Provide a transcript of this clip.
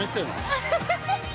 ◆アハハハッ。